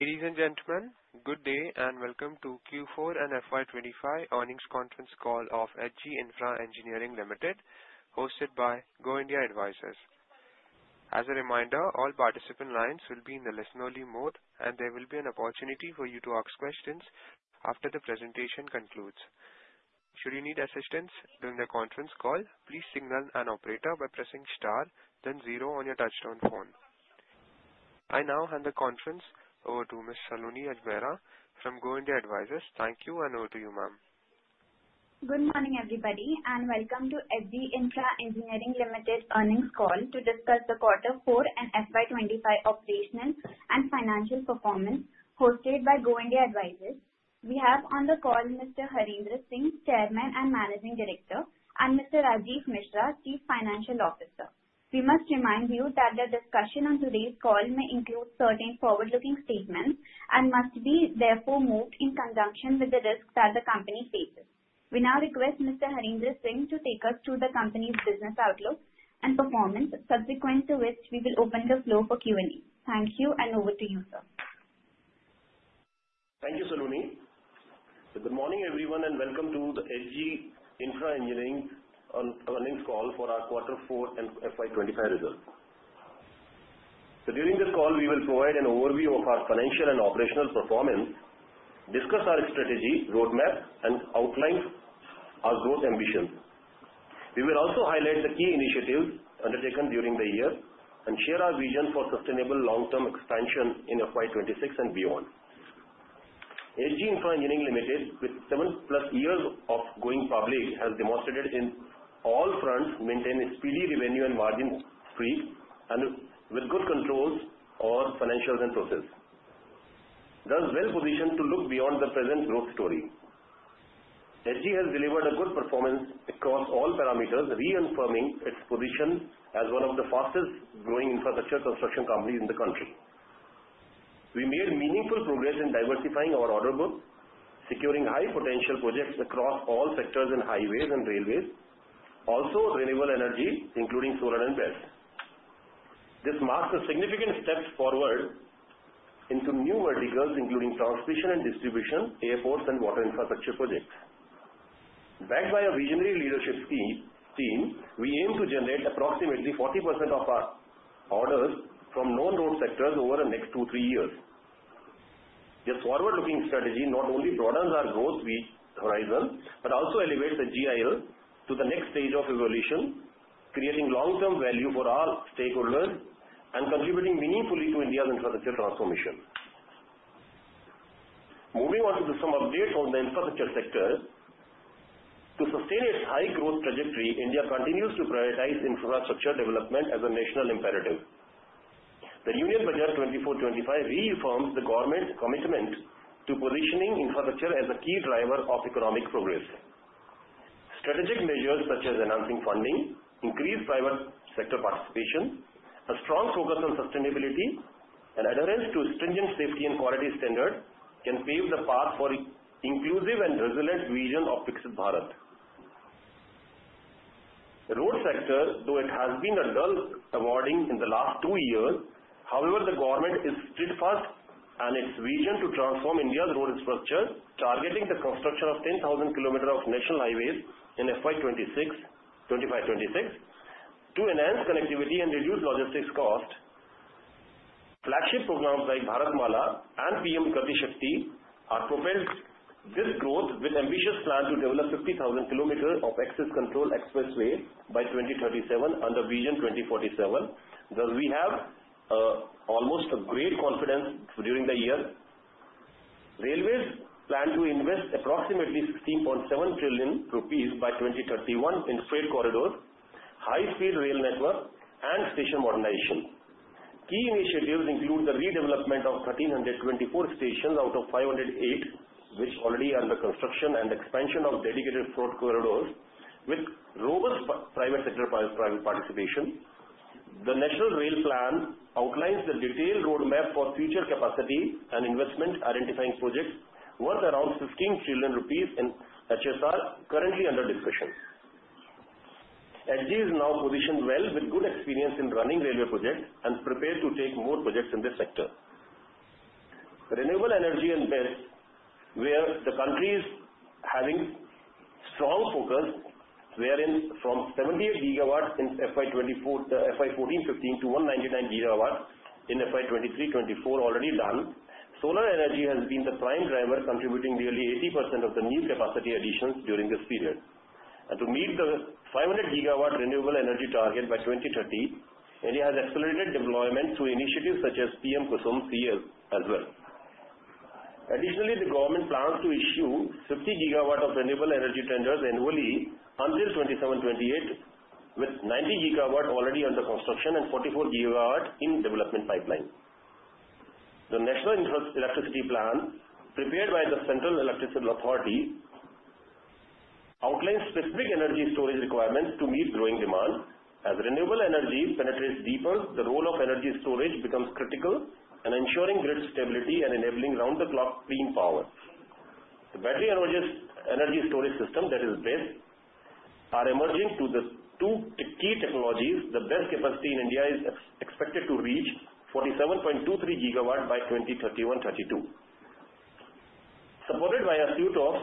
Ladies and gentlemen, good day and welcome to Q4 and FY 2025 earnings conference call of H.G. Infra Engineering Limited, hosted by Go India Advisors. As a reminder, all participant lines will be in the listen-only mode, and there will be an opportunity for you to ask questions after the presentation concludes. Should you need assistance during the conference call, please signal an operator by pressing star, then zero on your touch-tone phone. I now hand the conference over to Ms. Saloni Ajmera from Go India Advisors. Thank you, and over to you, ma'am. Good morning, everybody, and welcome to H.G. Infra Engineering Limited's earnings call to discuss the quarter four and FY 2025 operational and financial performance, hosted by Go India Advisors. We have on the call Mr. Harendra Singh, Chairman and Managing Director, and Mr. Rajeev Mishra, Chief Financial Officer. We must remind you that the discussion on today's call may include certain forward-looking statements and must be therefore viewed in conjunction with the risks that the company faces. We now request Mr. Harendra Singh to take us through the company's business outlook and performance, subsequent to which we will open the floor for Q&A. Thank you, and over to you, sir. Thank you, Saloni. Good morning, everyone, and welcome to the H.G. Infra Engineering's earnings call for our quarter four and FY 2025 results. During this call, we will provide an overview of our financial and operational performance, discuss our strategy, roadmap, and outline our growth ambitions. We will also highlight the key initiatives undertaken during the year and share our vision for sustainable long-term expansion in FY 2026 and beyond. H.G. Infra Engineering Limited, with seven-plus years of going public, has demonstrated on all fronts maintaining a speedy revenue and margin streak and with good control of financials and processes. Thus, well-positioned to look beyond the present growth story. H.G. has delivered a good performance across all parameters, reaffirming its position as one of the fastest-growing infrastructure construction companies in the country. We made meaningful progress in diversifying our order books, securing high-potential projects across all sectors in highways and railways, also renewable energy, including solar and gas. This marks a significant step forward into new verticals, including transmission and distribution, airports, and water infrastructure projects. Backed by a visionary leadership team, we aim to generate approximately 40% of our orders from known road sectors over the next two, three years. This forward-looking strategy not only broadens our growth horizon but also elevates the HGIEL to the next stage of evolution, creating long-term value for all stakeholders and contributing meaningfully to India's infrastructure transformation. Moving on to some updates on the infrastructure sector. To sustain its high-growth trajectory, India continues to prioritize infrastructure development as a national imperative. The Union Budget 2024-25 reaffirms the government's commitment to positioning infrastructure as a key driver of economic progress. Strategic measures such as enhancing funding, increased private sector participation, a strong focus on sustainability, and adherence to stringent safety and quality standards can pave the path for an inclusive and resilient vision of Viksit Bharat. The road sector, though it has been a dull awarding in the last two years, however, the government is steadfast in its vision to transform India's road infrastructure, targeting the construction of 10,000 kilometers of national highways in FY 2026 to enhance connectivity and reduce logistics costs. Flagship programs like Bharatmala and PM Gati Shakti are propelled this growth with an ambitious plan to develop 50,000 kilometers of access-controlled expressway by 2037 under Vision 2047. Thus, we have almost great confidence during the year. Railways plan to invest approximately 16.7 trillion rupees by 2031 in freight corridors, high-speed rail network, and station modernization. Key initiatives include the redevelopment of 1,324 stations out of 508, which already are under construction, and expansion of dedicated freight corridors with robust private sector participation. The National Rail plan outlines the detailed roadmap for future capacity and investment identifying projects worth around 15 trillion rupees in HSR, currently under discussion. H.G. is now positioned well with good experience in running railway projects and prepared to take more projects in this sector. Renewable energy and gas where the country is having strong focus, wherein from 78 GW in FY 2014-2015 to 199 GW in FY 2023-2024 already done. Solar energy has been the prime driver, contributing nearly 80% of the new capacity additions during this period. To meet the 500 GW renewable energy target by 2030, India has accelerated deployment through initiatives such as PM-KUSUM scheme as well. Additionally, the government plans to issue 50 GW of renewable energy tenders annually until 2028, with 90 GW already under construction and 44 GW in development pipeline. The National Electricity Plan, prepared by the Central Electricity Authority, outlines specific energy storage requirements to meet growing demand. As renewable energy penetrates deeper, the role of energy storage becomes critical in ensuring grid stability and enabling round-the-clock clean power. The battery energy storage system, that is BESS, are emerging as the two key technologies. The BESS capacity in India is expected to reach 47.23 GW by 2031-32, supported by a suite of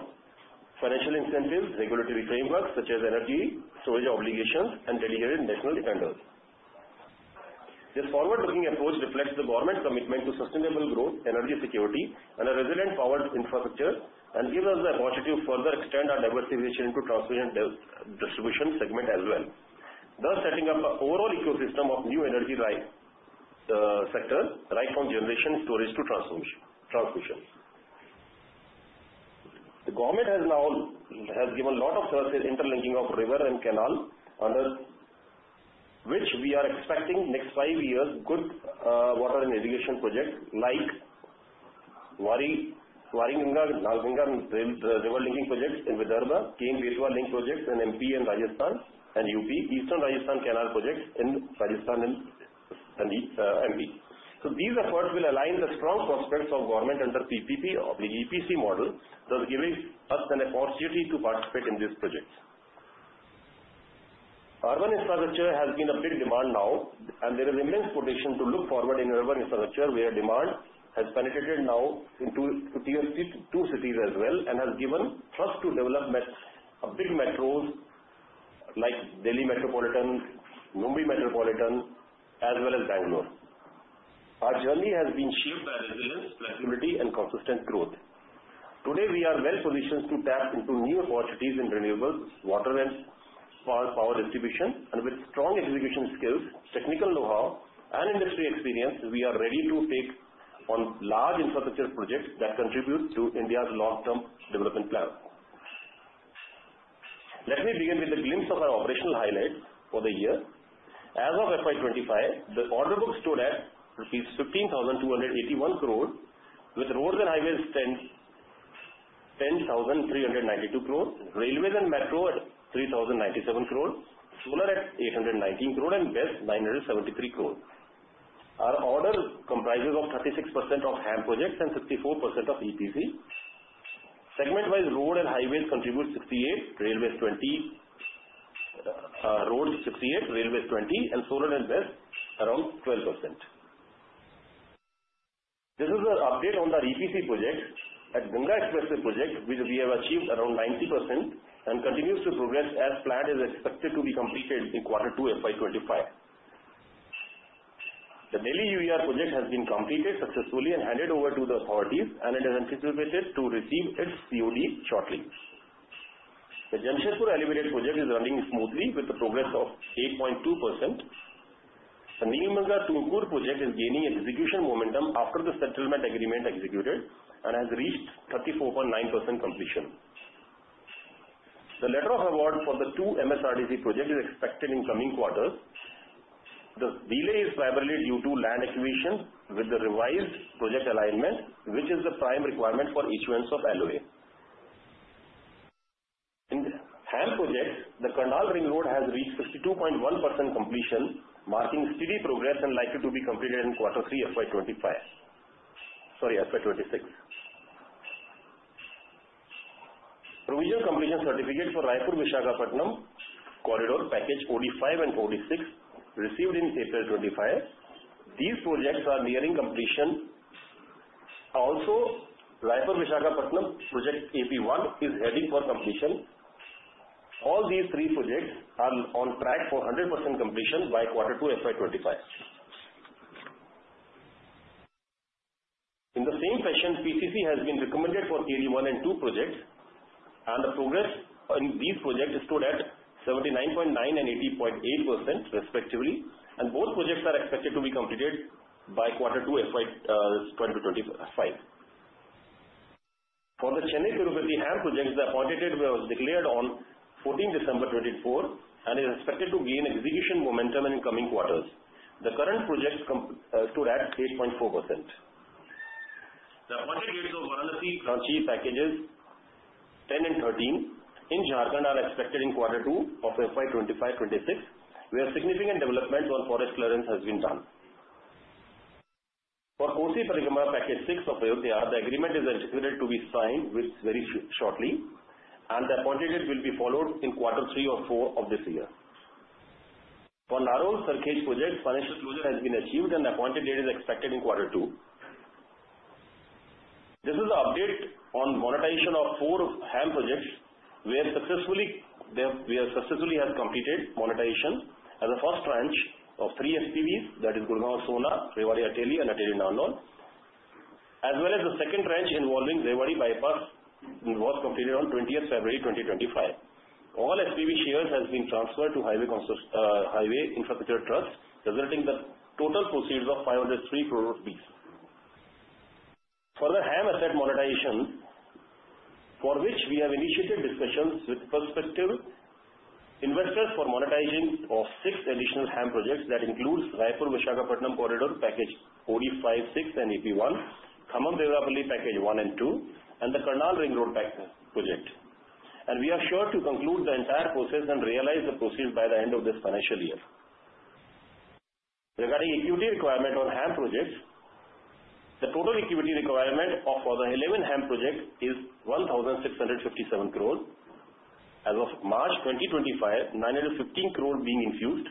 financial incentives, regulatory frameworks such as energy storage obligations, and dedicated national tenders. This forward-looking approach reflects the government's commitment to sustainable growth, energy security, and a resilient powered infrastructure and gives us the opportunity to further extend our diversification into transmission and distribution segment as well, thus setting up an overall ecosystem of new energy sector right from generation storage to transmission. The government has given a lot of service in the interlinking of river and canal, under which we are expecting next five years good water and irrigation projects like Wainganga-Nalganga River Linking Projects in Vidarbha, Ken-Betwa Link Project in MP and Rajasthan, and UP, Eastern Rajasthan Canal Project in Rajasthan and MP, so these efforts will align the strong prospects of government under PPP or the EPC model, thus giving us an opportunity to participate in these projects.s Urban infrastructure has been a big demand now, and there is immense potential to look forward in urban infrastructure where demand has penetrated now into two cities as well and has given trust to develop a big metro like Delhi Metropolitan, Mumbai Metropolitan, as well as Bangalore. Our journey has been shaped by resilience, flexibility, and consistent growth. Today, we are well-positioned to tap into new opportunities in renewables, water, and power distribution, and with strong execution skills, technical know-how, and industry experience, we are ready to take on large infrastructure projects that contribute to India's long-term development plan. Let me begin with a glimpse of our operational highlights for the year. As of FY 2025, the order book stood at rupees 15,281 crore, with roads and highways at 10,392 crore, railways and metro at 3,097 crore, solar at 819 crore, and gas 973 crore. Our order comprises of 36% of HAM projects and 64% of EPC. Segment-wise, road and highways contribute 68%, railways 20%, roads 68%, railways 20%, and solar and gas around 12%. This is an update on the EPC project. At Ganga Expressway project, we have achieved around 90% and continue to progress as planned as expected to be completed in quarter two of FY 2025. The Delhi UER project has been completed successfully and handed over to the authorities, and it is anticipated to receive its COD shortly. The Jamshedpur elevated project is running smoothly with a progress of 8.2%. The Nelamangala-Tumkur project is gaining execution momentum after the settlement agreement executed and has reached 34.9% completion. The letter of award for the two MSRDC projects is expected in coming quarters. The delay is primarily due to land acquisition with the revised project alignment, which is the prime requirement for issuance of LOA. In HAM projects, the Karnal Ring Road has reached 52.1% completion, marking steady progress and likely to be completed in quarter three of FY 2025. Sorry, FY 2026. Provisional completion certificates for Raipur-Visakhapatnam corridor package OD5 and OD6 received in April 2025. These projects are nearing completion. Also, Raipur-Visakhapatnam project AP1 is heading for completion. All these three projects are on track for 100% completion by quarter two of FY 2025. In the same fashion, PCC has been recommended for KD1 and 2 projects, and the progress in these projects stood at 79.9% and 80.8% respectively, and both projects are expected to be completed by quarter two of FY 2025. For the Chennai-Tirupati HAM project, the appointed date was declared on 14 December 2024 and is expected to gain execution momentum in coming quarters. The current project stood at 8.4%. The appointed dates of Varanasi-Ranchi packages 10 and 13 in Jharkhand are expected in quarter two of FY 2025-26, where significant development on forest clearance has been done. For 14 Kosi Parikrama Marg package six of Ayodhya, the agreement is anticipated to be signed shortly, and the appointed date will be followed in quarter three or four of this year. For Narol-Sarkhej projects, financial closure has been achieved, and the appointed date is expected in quarter two. This is an update on monetization of four HAM projects where successfully we have completed monetization as a first tranche of three SPVs, that is Gurgaon-Sonepat, Rewari-Ateli, and Ateli-Narnaul, as well as the second tranche involving Rewari Bypass, which was completed on 20 February 2025. All FPV shares have been transferred to Highways Infrastructure Trust, resulting in the total proceeds of 503 crore rupees. For the HAM asset monetization, for which we have initiated discussions with prospective investors for monetization of six additional HAM projects that include Raipur-Visakhapatnam corridor package OD5-6 and AP1, Khammam-Devarapalli package one and two, and the Karnal Ring Road project. We are sure to conclude the entire process and realize the proceeds by the end of this financial year. Regarding equity requirement on HAM projects, the total equity requirement for the 11 HAM projects is 1,657 crore. As of March 2025, 915 crore being infused,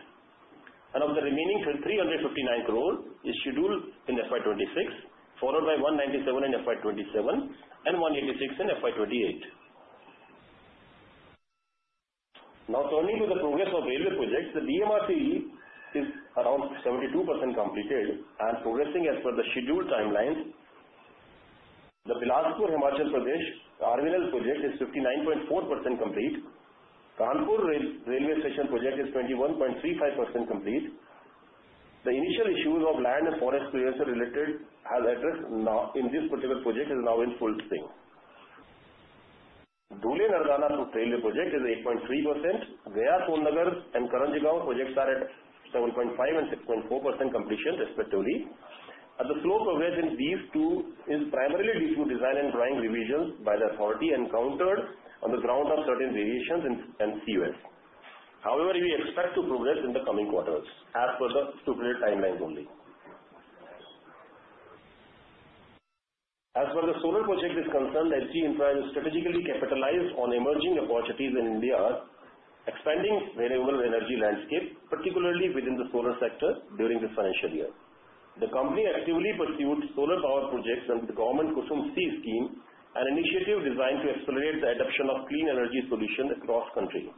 and of the remaining 359 crore, it is scheduled in FY 2026, followed by 197 in FY 2027 and 186 in FY 2028. Now, turning to the progress of railway projects, the BMRC is around 72% completed and progressing as per the scheduled timelines. The Bilaspur-Himachal Pradesh RVNL project is 59.4% complete. Kanpur Railway Station project is 21.35% complete. The initial issues of land and forest clearance related in this particular project are now in full swing. Dhule-Nardana railway project is 8.3%. Gaya-Son Nagar and Karanjgaon projects are at 7.5% and 6.4% completion, respectively. The slow progress in these two is primarily due to design and drawing revisions by the authority encountered on the ground of certain variations and COS. However, we expect to progress in the coming quarters as per the structured timelines only. As far as the solar project is concerned, HG Infra has strategically capitalized on emerging opportunities in India, expanding variable energy landscape, particularly within the solar sector during this financial year. The company actively pursued solar power projects under the government PM-KUSUM scheme and initiative designed to accelerate the adoption of clean energy solutions across the country.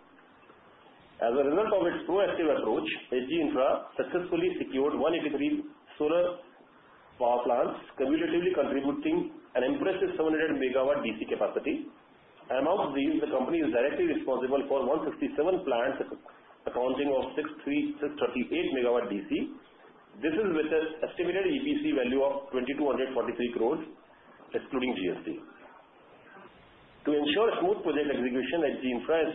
As a result of its proactive approach, HG Infra successfully secured 183 solar power plants, cumulatively contributing an impressive 700 MW DC capacity. Among these, the company is directly responsible for 167 plants, accounting for 638 MW DC. This is with an estimated EPC value of 2,243 crore, excluding GST. To ensure smooth project execution, HG Infra has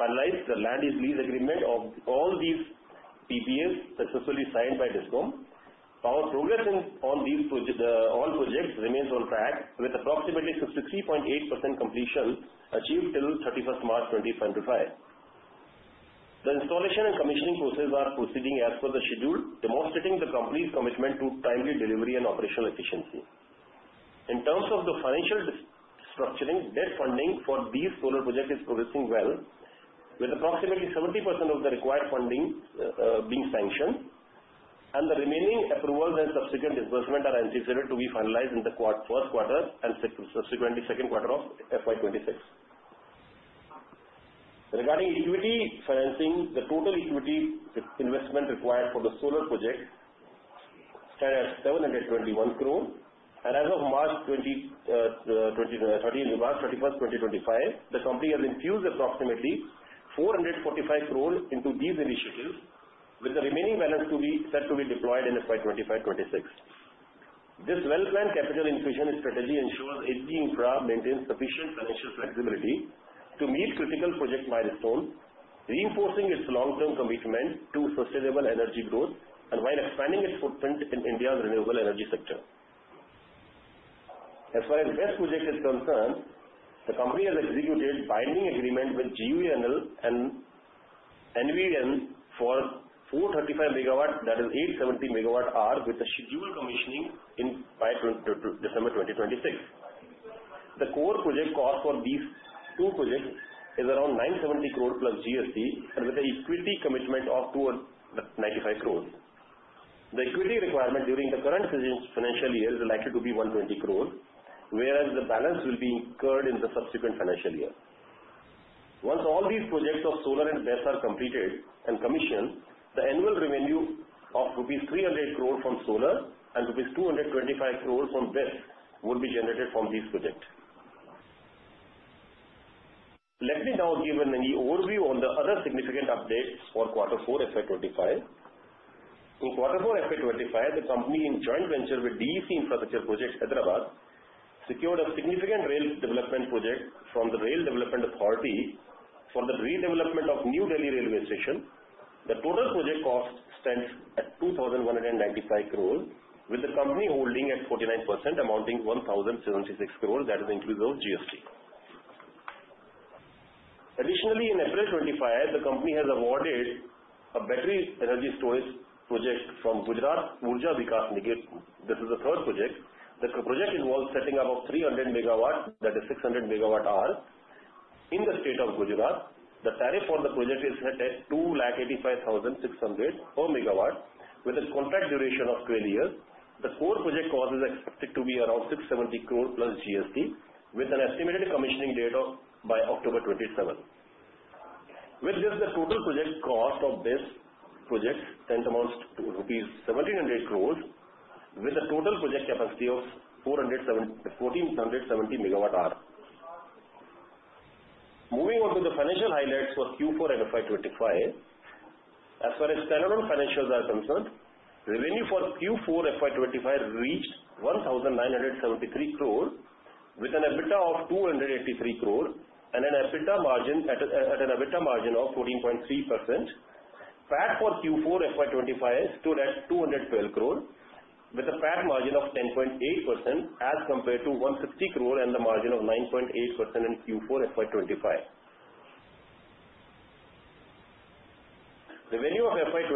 finalized the land lease agreement of all these PPAs successfully signed by DISCOM. Our progress on all projects remains on track, with approximately 63.8% completion achieved till 31 March 2025. The installation and commissioning processes are proceeding as per the schedule, demonstrating the company's commitment to timely delivery and operational efficiency. In terms of the financial structuring, debt funding for these solar projects is progressing well, with approximately 70% of the required funding being sanctioned, and the remaining approvals and subsequent disbursements are anticipated to be finalized in the first quarter and subsequently second quarter of FY 2026. Regarding equity financing, the total equity investment required for the solar project stands at 721 crore, and as of March 21, 2025, the company has infused approximately 445 crore into these initiatives, with the remaining balance set to be deployed in FY 2025-26. This well-planned capital infusion strategy ensures H.G. Infra maintains sufficient financial flexibility to meet critical project milestones, reinforcing its long-term commitment to sustainable energy growth and while expanding its footprint in India's renewable energy sector. As far as gas projects are concerned, the company has executed binding agreements with GUVNL and NVVN for 435 MWs, that is 870 MW hours, with the scheduled commissioning in December 2026. The core project cost for these two projects is around 970 crore plus GST, and with an equity commitment of 295 crore. The equity requirement during the current financial year is likely to be 120 crore, whereas the balance will be incurred in the subsequent financial year. Once all these projects of solar and gas are completed and commissioned, the annual revenue of rupees 300 crore from solar and rupees 225 crore from gas would be generated from these projects. Let me now give a mini overview on the other significant updates for quarter four of FY 2025. In quarter four of FY 2025, the company in joint venture with DEC Infrastructure Projects, Hyderabad, secured a significant rail development project from the Rail Land Development Authority for the redevelopment of New Delhi Railway Station. The total project cost stands at 2,195 crore, with the company holding at 49%, amounting to 1,076 crore, that is inclusive of GST. Additionally, in April 2025, the company has awarded a battery energy storage project from Gujarat Urja Vikas Nigam. This is the third project. The project involves setting up of 300MWs, that is 600 MW hours, in the state of Gujarat. The tariff for the project is set at 285,600 per megawatt, with a contract duration of 12 years. The core project cost is expected to be around 670 crore plus GST, with an estimated commissioning date by October 2027. With this, the total project cost of this project stands among rupees 1,700 crore, with a total project capacity of 1,470 MW hour. Moving on to the financial highlights for Q4 of FY 2025, as far as standalone financials are concerned, revenue for Q4 of FY 2025 reached 1,973 crore, with an EBITDA of 283 crore and an EBITDA margin of 14.3%. PAT for Q4 of FY 2025 stood at 212 crore, with a PAT margin of 10.8% as compared to 160 crore and the margin of 9.8% in Q4 of FY 2025. Revenue of FY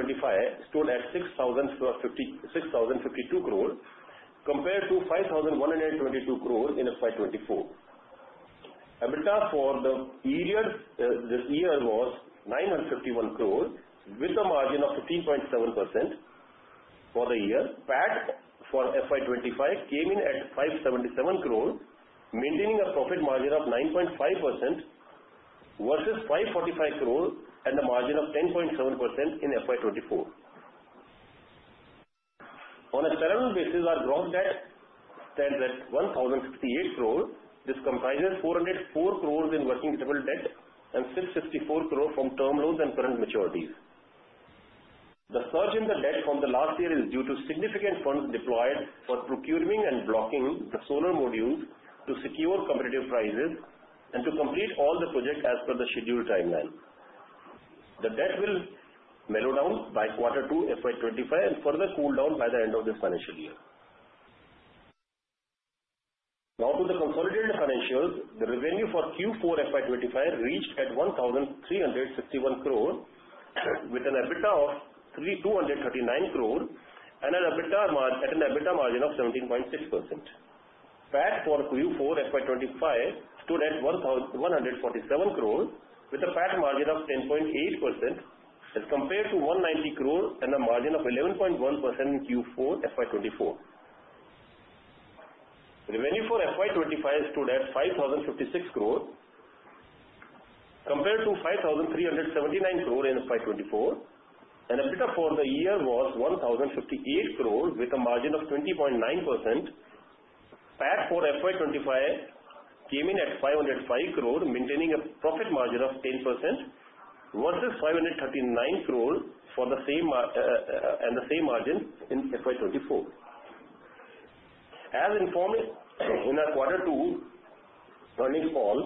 2025 stood at 6,052 crore, compared to 5,122 crore in FY 2024. EBITDA for the year was 951 crore, with a margin of 15.7% for the year. PAT for FY 2025 came in at 577 crore, maintaining a profit margin of 9.5% versus 545 crore and a margin of 10.7% in FY 2024. On a standalone basis, our gross debt stands atINR1,068 crore. This comprisesINR404 crore in working capital debt and 664 crore from term loans and current maturities. The surge in the debt from the last year is due to significant funds deployed for procuring and blocking the solar modules to secure competitive prices and to complete all the projects as per the scheduled timeline. The debt will mellow down by quarter two of FY 2025 and further cool down by the end of this financial year. Now, to the consolidated financials, the revenue for Q4 of FY 2025 reached at 1,361 crore, with an EBITDA of 239 crore and an EBITDA margin of 17.6%. PAT for Q4 of FY 2025 stood at 147 crore, with a PAT margin of 10.8% as compared to 190 crore and a margin of 11.1% in Q4 of FY 2024. Revenue for FY 2025 stood at 5,056 crore, compared to 5,379 crore in FY 2024, and EBITDA for the year was 1,058 crore, with a margin of 20.9%. PAT for FY 2025 came in at 505 crore, maintaining a profit margin of 10% versus 539 crore and the same margin in FY 2024. As informed in quarter two earnings call,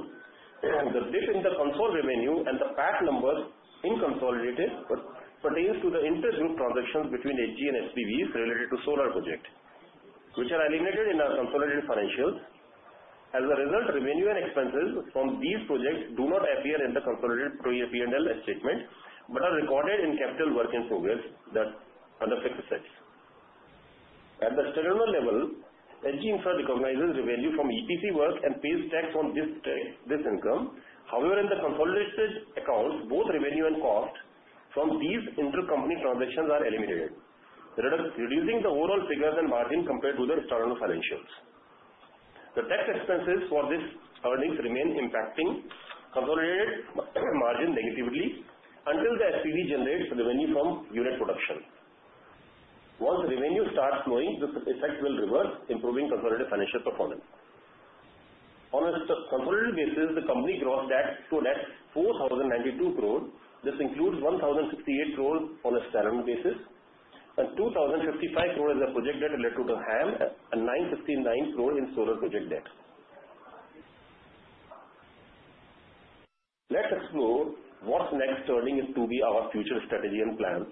the dip in the consolidated revenue and the PAT numbers pertain to the inter-group transactions between HG and HPVs related to solar projects, which are eliminated in our consolidated financials. As a result, revenue and expenses from these projects do not appear in the consolidated P&L statement but are recorded in capital work-in-progress figures under section six. At the standalone level, HG Infra recognizes revenue from EPC work and pays tax on this income. However, in the consolidated accounts, both revenue and cost from these intercompany transactions are eliminated, reducing the overall figures and margin compared to the standalone financials. The tax expenses for these earnings remain impacting consolidated margin negatively until the SPV generates revenue from unit production. Once revenue starts flowing, this effect will reverse, improving consolidated financial performance. On a consolidated basis, the company gross debt stood at 4,092 crore. This includes 1,068 crore on a standalone basis and 2,055 crore as a project debt related to HAM and 969 crore in solar project debt. Let's explore what's next turning into our future strategy and plan.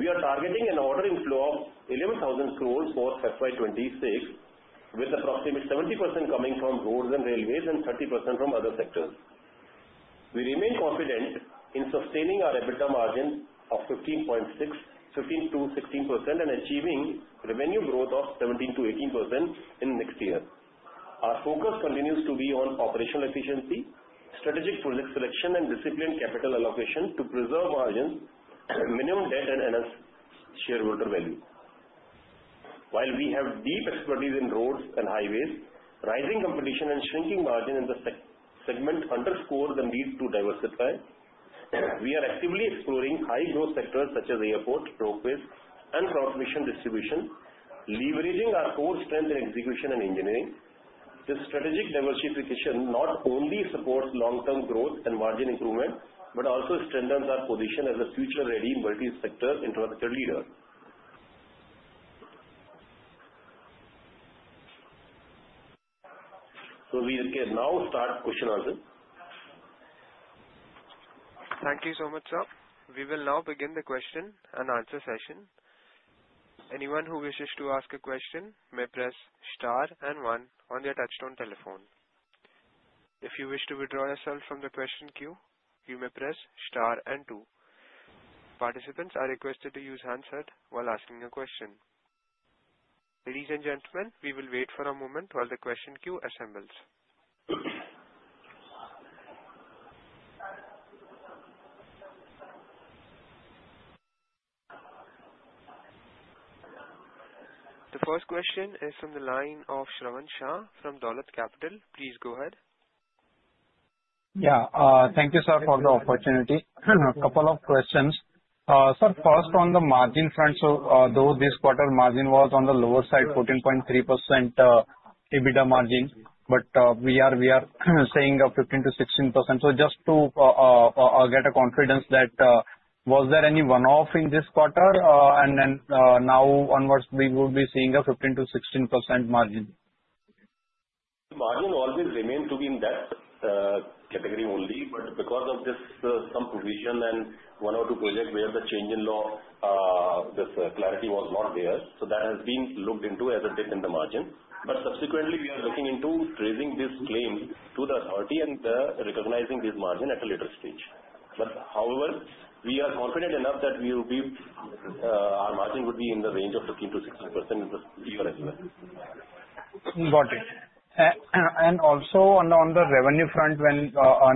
We are targeting an ordering flow of 11,000 crore for FY 2026, with approximately 70% coming from roads and railways and 30% from other sectors. We remain confident in sustaining our EBITDA margin of 15.6%-16% and achieving revenue growth of 17%-18% in the next year. Our focus continues to be on operational efficiency, strategic project selection, and disciplined capital allocation to preserve margins, minimum debt, and shareholder value. While we have deep expertise in roads and highways, rising competition and shrinking margin in the segment underscore the need to diversify. We are actively exploring high-growth sectors such as airports, railways, and transmission distribution, leveraging our core strength in execution and engineering. This strategic diversification not only supports long-term growth and margin improvement but also strengthens our position as a future-ready multi-sector infrastructure leader. So we can now start question answers. Thank you so much, sir. We will now begin the question and answer session. Anyone who wishes to ask a question may press star and one on their touch-tone telephone. If you wish to withdraw yourself from the question queue, you may press star and two. Participants are requested to use handset while asking a question. Ladies and gentlemen, we will wait for a moment while the question queue assembles. The first question is from the line of Shravan Shah from Dolat Capital. Please go ahead. Yeah, thank you, sir, for the opportunity. A couple of questions. Sir, first, on the margin front, so though this quarter margin was on the lower side, 14.3% EBITDA margin, but we are saying 15%-16%. So just to get a confidence that was there any one-off in this quarter, and then now onwards we will be seeing a 15%-16% margin? The margin always remained to be in that category only, but because of this some provision and one or two projects where the change in law, this clarity was not there. So that has been looked into as a dip in the margin. But subsequently, we are looking into raising this claim to the authority and recognizing this margin at a later stage. But however, we are confident enough that our margin would be in the range of 15%-16% in the year as well. Got it. And also on the revenue front,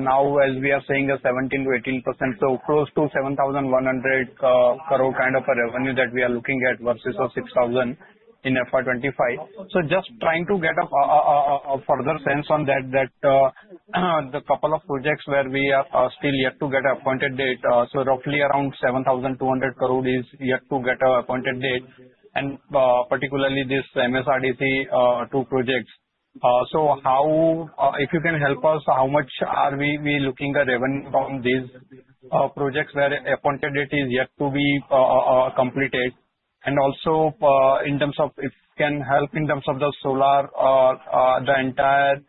now as we are seeing a 17%-18%, so close to 7,100 crore kind of a revenue that we are looking at versus 6,000 crore in FY 2025. So just trying to get a further sense on that, that the couple of projects where we are still yet to get appointed date, so roughly around 7,200 crore is yet to get an appointed date, and particularly this MSRDC two projects. So if you can help us, how much are we looking at revenue from these projects where appointed date is yet to be completed? And also in terms of if you can help in terms of the solar, the entire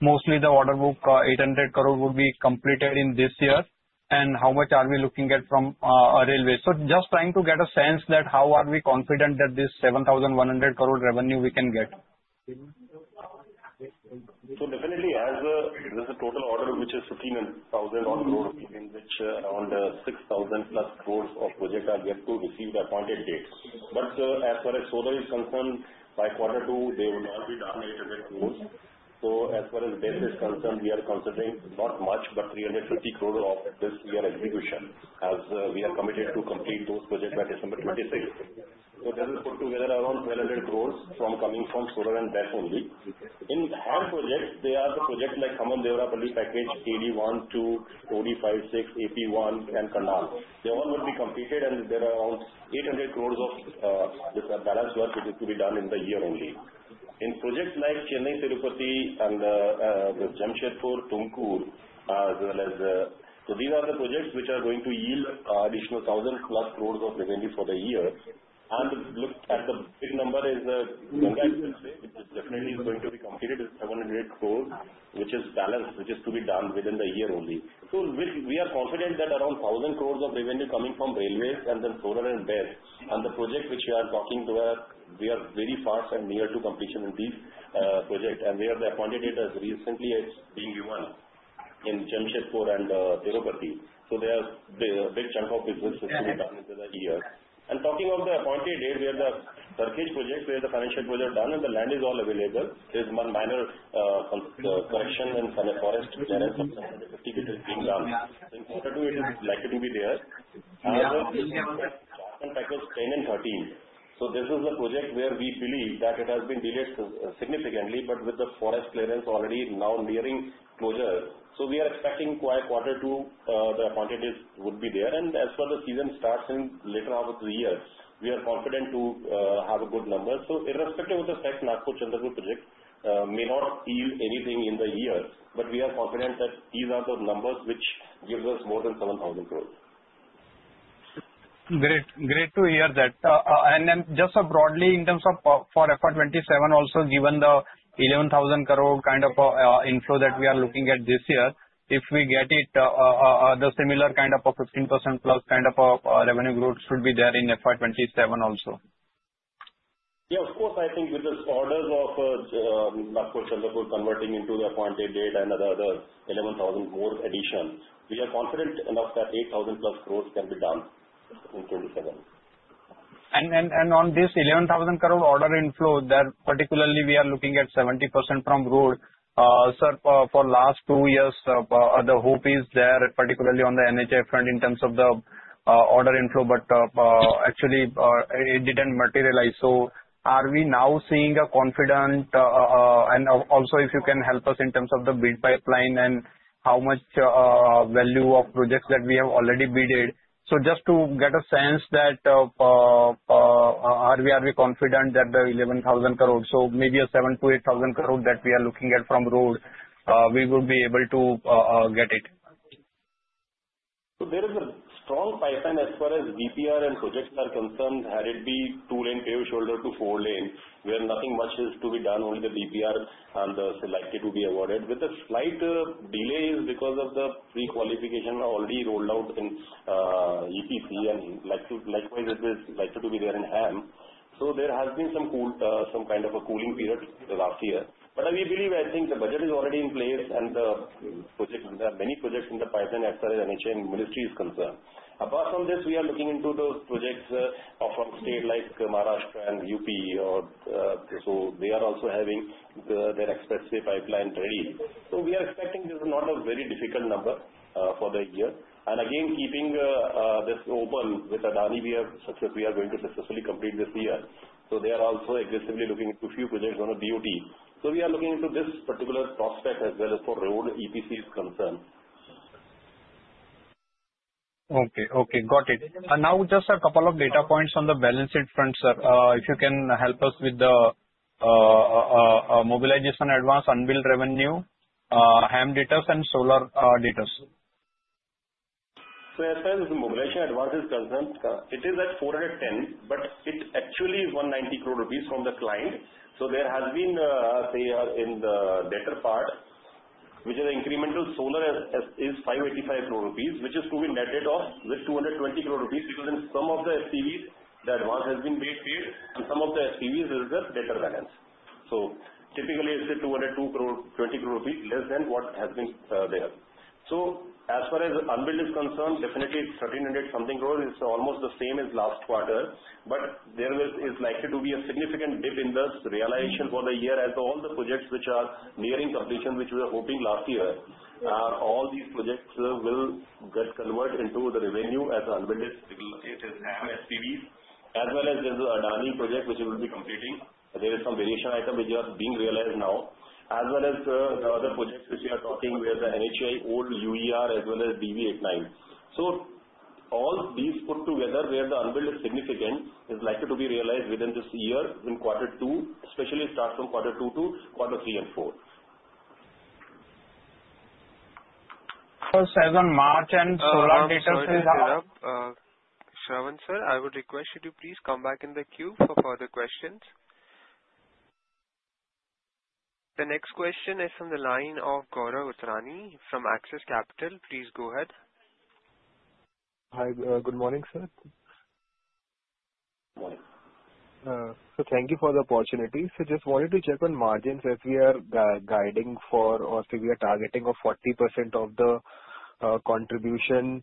mostly the order book 800 crore will be completed in this year, and how much are we looking at from railways? So just trying to get a sense that how are we confident that this 7,100 crore revenue we can get. So definitely, as there's a total order which is 15,000 crore, in which around 6,000 pl crores of projects are yet to receive appointed date. But as far as solar is concerned, by quarter two, they will not be down INR 800 crore. So as far as debt is concerned, we are considering not much, but 350 crore of this year execution, as we are committed to complete those projects by December 26. So this is put together around 1,200 crores coming from solar and debt only. In HAM projects, there are the projects like Khammam-Devarapalli package, KD1, 2, OD5,6, AP1, and Karnal. They all will be completed, and there are around 800 crores of this balance work which is to be done in the year only. In projects like Chennai-Tirupati and Jamshedpur Tumkur, as well as. So these are the projects which are going to yield additional 1,000 plus crores of revenue for the year. Look at the big number is Ganga, which definitely is going to be completed is 700 crore, which is balance which is to be done within the year only. We are confident that around 1,000 crores of revenue coming from railways and then solar and EPC. The project which we are talking to, we are very fast and near to completion in these projects. They have the appointed date as recently as being given in Jamshedpur and Tirupati. There's a big chunk of business to be done in the year. Talking of the appointed date, we have the Tumkur project where the financial closure is done, and the land is all available. There's one minor correction and some forest clearance of INR 750 crores being done. In quarter two, it is likely to be there. Jamshedpur packages 10 and 13. So this is a project where we believe that it has been delayed significantly, but with the forest clearance already now nearing closure. So we are expecting by quarter two, the appointed date would be there. And as far as the season starts in the later half of the year, we are confident to have a good number. So irrespective of the fact, Nagpur-Chandrapur project may not yield anything in the year, but we are confident that these are the numbers which give us more than 7,000 crore. Great. Great to hear that. And then just broadly, in terms of for FY 2027, also given the 11,000 crore kind of inflow that we are looking at this year, if we get it, the similar kind of a 15% plus kind of a revenue growth should be there in FY 2027 also. Yeah, of course. I think with this orders of Nagpur-Chandrapur converting into the appointed date and the other 11,000 crore more addition, we are confident enough that 8,000 crore plus can be done in 2027. On this 11,000 crore order inflow, particularly we are looking at 70% from road. Sir, for the last two years, the hope is there, particularly on the NHAI front in terms of the order inflow, but actually it didn't materialize. Are we now seeing a confidence? Also, if you can help us in terms of the bid pipeline and how much value of projects that we have already bid. Just to get a sense that are we confident that the 11,000 crore, so maybe a 7,000-8,000 crore that we are looking at from road, we will be able to get it. There is a strong pipeline as far as Bharatmala projects are concerned, be it two-lane paved shoulder to four-lane where nothing much is to be done, only the Bharatmala and the stretches to be awarded. With the slight delays because of the pre-qualification already rolled out in EPC, and likewise, it is likely to be there in HAM. There has been some kind of a cooling period last year. We believe, I think the budget is already in place and the many projects in the pipeline as far as NHAI and ministry is concerned. Apart from this, we are looking into those projects from states like Maharashtra and UP, so they are also having their extensive pipeline ready. We are expecting this is not a very difficult number for the year. And again, keeping this open with Adani, we have success. We are going to successfully complete this year. So they are also aggressively looking into a few projects on a BOT. So we are looking into this particular prospect as well as for road EPC is concerned. Okay. Okay. Got it. And now just a couple of data points on the balance sheet front, sir. If you can help us with the mobilization advance unbilled revenue, HAM data, and solar data. So as far as the mobilization advance is concerned, it is atINR 410, but it actually is 190 crore rupees from the client. So there has been, say, in the data part, which is incremental solar is 585 crore rupees, which is to be netted off with 220 crore rupees because in some of the SPVs, the advance has been paid, and some of the SPVs is the data balance. Typically, it's 220 crore less than what has been there. As far as unbilled is concerned, definitely 1,300-something crore is almost the same as last quarter, but there is likely to be a significant dip in this realization for the year as all the projects which are nearing completion, which we were hoping last year, all these projects will get converted into the revenue as unbilled. It is HAM SPVs, as well as there's the Adani project which we will be completing. There is some variation item which is being realized now, as well as the other projects which we are talking where the NHAI, old UER, as well as DV89. All these put together where the unbilled significance is likely to be realized within this year in quarter two, especially start from quarter two to quarter three and four. So as on March end, solar data is out. Shravan Shah, I would request you to please come back in the queue for further questions. The next question is from the line of Gaurav Uttarwar from AXIS Capital. Please go ahead. Hi. Good morning, sir. Good morning. So thank you for the opportunity. So just wanted to check on margins as we are guiding for or we are targeting of 40% of the contribution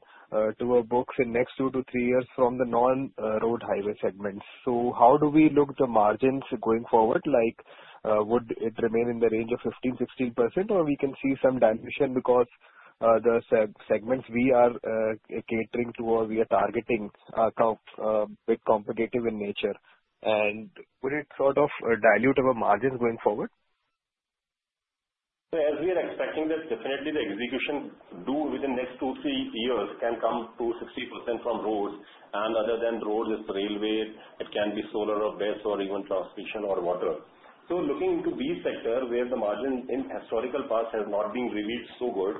to our books in next two to three years from the non-road highway segments. So how do we look at the margins going forward? Would it remain in the range of 15%, 16%, or we can see some dilution because the segments we are catering to or we are targeting are quite competitive in nature? And would it sort of dilute our margins going forward? So as we are expecting that definitely the execution due within the next two, three years can come to 60% from roads. And other than roads, it's the railway. It can be solar or BESS or even transmission or water. So looking into these sectors where the margin in historical past has not been revealed so good,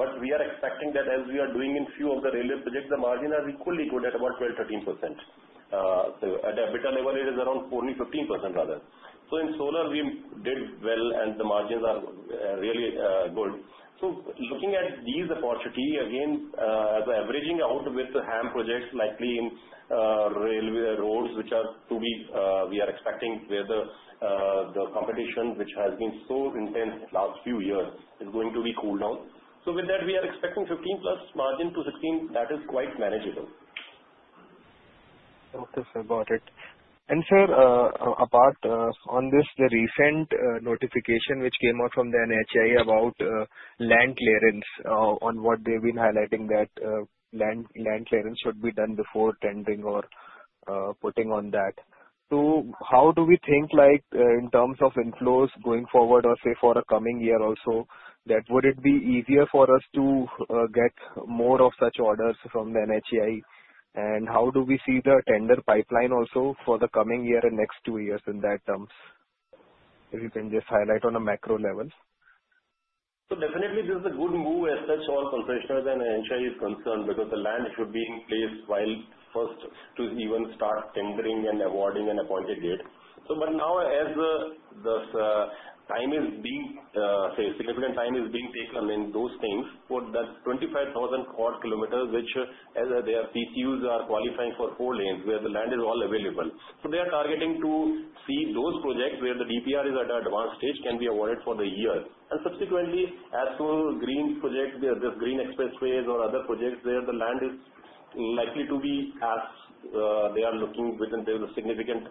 but we are expecting that as we are doing in a few of the railway projects, the margin is equally good at about 12%, 13%. So at an EBITDA level, it is around only 15% rather. So in solar, we did well, and the margins are really good. So looking at these opportunities, again, as we're averaging out with the HAM projects, likely in railway roads which are to be we are expecting where the competition which has been so intense last few years is going to be cooled down. So with that, we are expecting 15% plus margin to 16%. That is quite manageable. Okay. Got it. And sir, apart from this, the recent notification which came out from the NHAI about land clearance on what they've been highlighting that land clearance should be done before tendering or putting on that. So how do we think in terms of inflows going forward or say for a coming year also, that would it be easier for us to get more of such orders from the NHAI? And how do we see the tender pipeline also for the coming year and next two years in that terms? If you can just highlight on a macro level. So definitely, this is a good move as such as far as the NHAI is concerned because the land should be in place while first to even start tendering and awarding an appointed date. But now, as significant time is being taken in those things for that 25,000 crore kilometer, which, as their PCUs are qualifying for four lanes where the land is all available. So they are targeting to see those projects where the DPR is at an advanced stage can be awarded for the year. And subsequently, as for greenfield projects, there's greenfield expressways or other projects where the land is likely to be as they are looking within there is a significant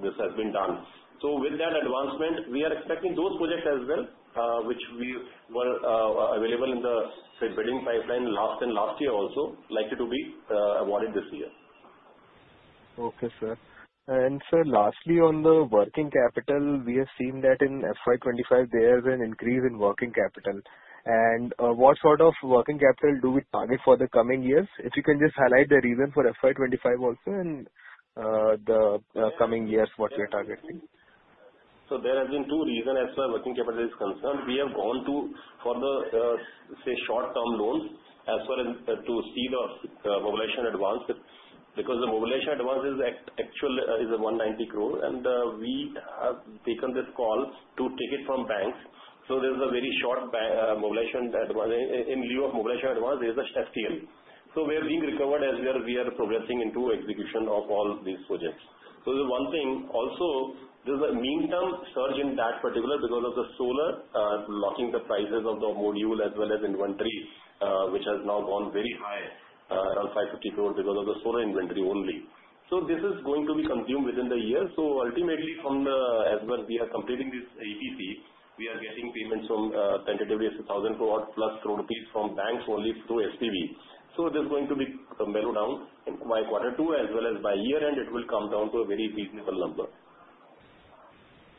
this has been done. So with that advancement, we are expecting those projects as well, which were available in the, say, bidding pipeline last and last year also, likely to be awarded this year. Okay, sir. Sir, lastly on the working capital, we have seen that in FY 2025, there is an increase in working capital. What sort of working capital do we target for the coming years? If you can just highlight the reason for FY 2025 also and the coming years, what we are targeting. There have been two reasons as far as working capital is concerned. We have gone to, for the, say, short-term loans as far as to see the mobilization advance because the mobilization advance is 190 crore, and we have taken this call to take it from banks. There's a very short mobilization advance. In lieu of mobilization advance, there's a. We are being recovered as we are progressing into execution of all these projects. So the one thing also, there's a medium-term surge in that particular because of the solar locking the prices of the module as well as inventory, which has now gone very high, around 550 crore because of the solar inventory only. So this is going to be consumed within the year. So ultimately, as well as we are completing this EPC, we are getting payments from tentatively 1,000 crore plus crore from banks only through SPV. So there's going to be a slowdown by quarter two as well as by year-end, it will come down to a very reasonable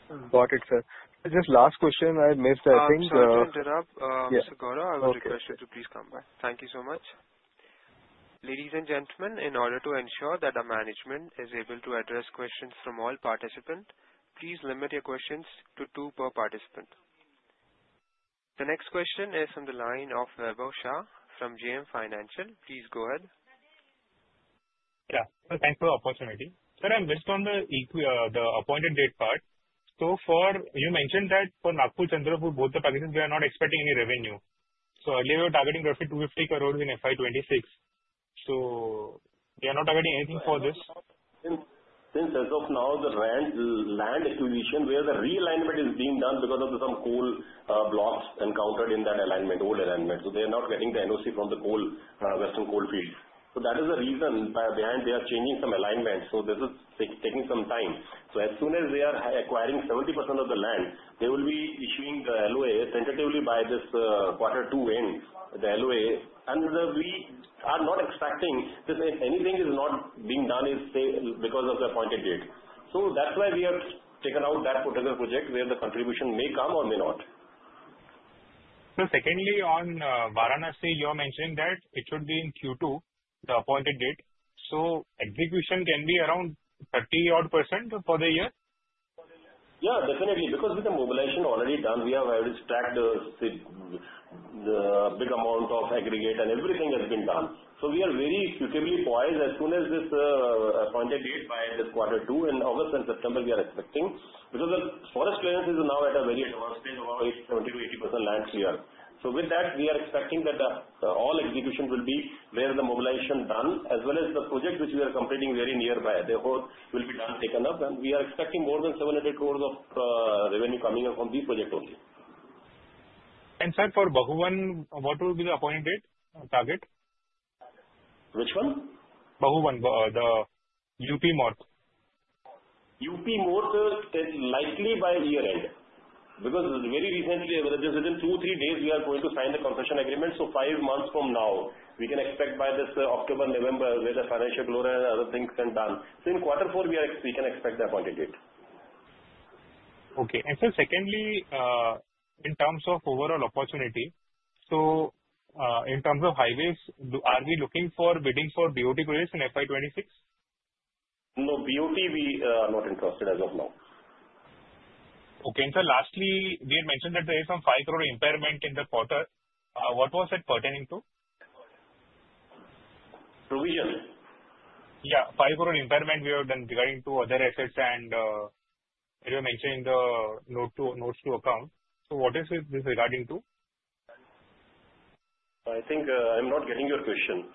number. Got it, sir. Just last question. I missed, I think. Sorry to interrupt. Yes. Gaurav, I would request you to please come back. Thank you so much. Ladies and gentlemen, in order to ensure that our management is able to address questions from all participants, please limit your questions to two per participant. The next question is from the line of Vaibhav Shah from JM Financial. Please go ahead. Yeah. So thanks for the opportunity. Sir, I'm based on the appointed date part. So you mentioned that for Nagpur-Chandrapur, both the packages, we are not expecting any revenue. So earlier, we were targeting roughly 250 crores in FY 2026. So we are not targeting anything for this. Since as of now, the land acquisition where the realignment is being done because of some coal blocks encountered in that alignment, old alignment. So they are not getting the NOC from the coal, Western Coalfields. So that is the reason behind they are changing some alignments. So this is taking some time. As soon as they are acquiring 70% of the land, they will be issuing the LOA tentatively by this quarter two in the LOA. We are not expecting anything is not being done, say, because of the appointed date. That's why we have taken out that particular project where the contribution may come or may not. Secondly, on Varanasi, you are mentioning that it should be in Q2, the appointed date. Execution can be around 30-odd% for the year? Yeah, definitely. Because with the mobilization already done, we have already stacked the big amount of aggregate and everything has been done. We are very suitably poised as soon as this appointed date by this quarter two. In August and September, we are expecting because the forest clearance is now at a very advanced stage of about 70%-80% land cleared. So with that, we are expecting that all execution will be where the mobilization done, as well as the project which we are completing very nearby. The whole will be done, taken up, and we are expecting more than 700 crore of revenue coming up from this project only. And sir, for Bhaguban, what will be the appointed date target? Which one? Bhaguban, the UP Motorway. UP Motorway likely by year-end because very recently, within two, three days, we are going to sign the concession agreement. So five months from now, we can expect by this October, November where the financial closure and other things can be done. So in quarter four, we can expect the appointed date. Okay. And sir, secondly, in terms of overall opportunity, so in terms of highways, are we looking for bidding for BOT projects in FY 2026? No, BOT we are not interested as of now. Okay. And sir, lastly, we had mentioned that there is some 5 crore impairment in the quarter. What was it pertaining to? Provision. Yeah. 5 crore impairment we have done regarding to other assets and mentioned in the notes to account. So what is this regarding to? I think I'm not getting your question.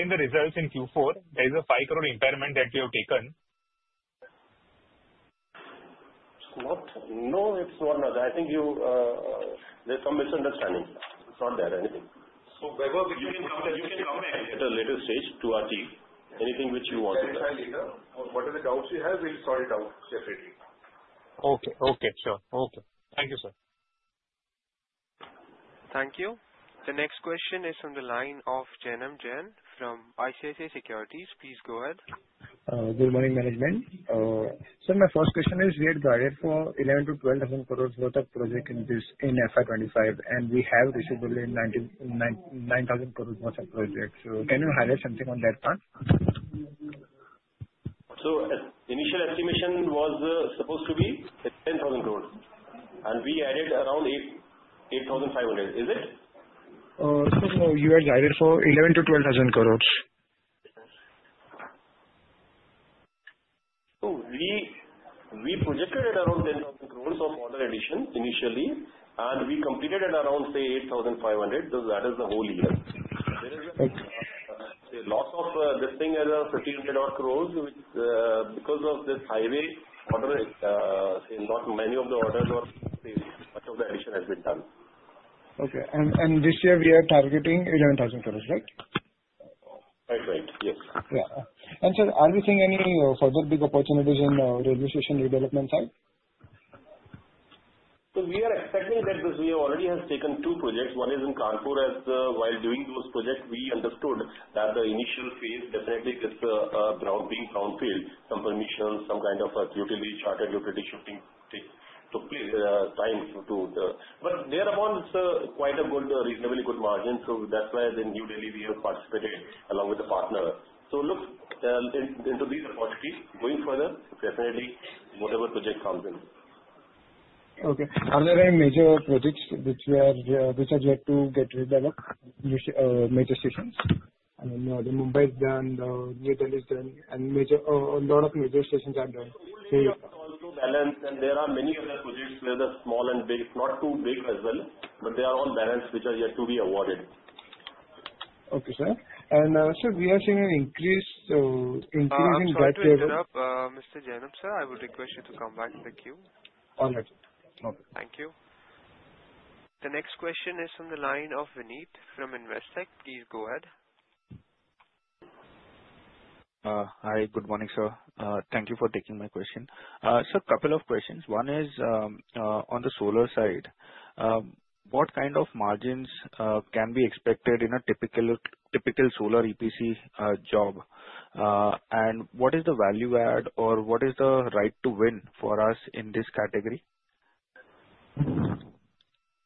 In the results in Q4, there is a 5 crore impairment that you have taken. No, it's not. I think there's some misunderstanding. It's not there anything. So Vaibhav, if you can come back at a later stage to our team, anything which you want to say. Whatever doubts you have, we'll sort it out separately. Okay. Okay. Sure. Okay. Thank you, sir. Thank you. The next question is from the line of Janam Shah from ICICI Securities. Please go ahead. Good morning, management. Sir, my first question is we had guided for 11,000-12,000 crores worth of project in FY 2025, and we have received 9,000 crores worth of project. So can you highlight something on that plan? So initial estimation was supposed to be 10,000 crores, and we added around 8,500. Is it? So you had guided for 11,000-12,000 crores. So we projected at around 10,000 crores of order addition initially, and we completed at around, say, 8,500. That is the whole year. There is a loss of this thing as of 1,500 crores because of this highway order, say, not many of the orders or much of the addition has been done. Okay. And this year we are targeting 11,000 crores, right? Right, right. Yes. Yeah. And sir, are we seeing any further big opportunities in railway station redevelopment side? So we are expecting that we already have taken two projects. One is in Kanpur. As while doing those projects, we understood that the initial phase definitely gets a lot of groundwork being done, some permissions, some kind of underground utility shifting takes time to. But thereupon, it's quite a good, reasonably good margin. So that's why the New Delhi we have participated along with the partner. So look into these opportunities. Going further, definitely whatever project comes in. Okay. Are there any major projects which are yet to get redeveloped, major stations? I mean, the Mumbai is done, the New Delhi is done, and a lot of major stations are done. They are also bids launched, and there are many other projects where the small and big, not too big as well, but they are all bids launched which are yet to be awarded. Okay, sir. And sir, we are seeing an increase in debt level. Mr. Janam Shah, I would request you to come back in the queue. All right. Okay. Thank you. The next question is from the line of Vineet from Investec. Please go ahead. Hi. Good morning, sir. Thank you for taking my question. Sir, a couple of questions. One is on the solar side. What kind of margins can be expected in a typical solar EPC job? And what is the value add or what is the right to win for us in this category?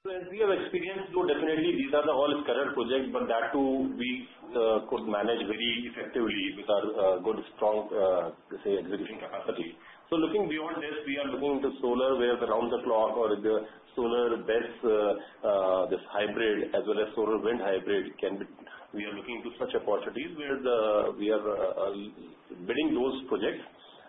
As we have experienced, though, definitely these are all scattered projects, but that too we could manage very effectively with our good, strong, say, execution capacity. So looking beyond this, we are looking intosolar where around the clock or the solar BESS, this hybrid as well as solar wind hybrid can be. We are looking into such opportunities where we are bidding those projects,